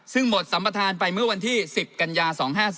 ซึ่งหมดสัมประธานไปเมื่อวันที่๑๐กันยา๒๕๔